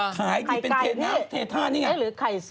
ขายเป็นเททานี่ไง